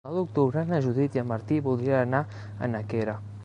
El nou d'octubre na Judit i en Martí voldrien anar a Nàquera.